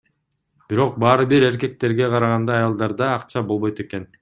Бирок баары бир эркектерге караганда аялдарда акча болбойт экен.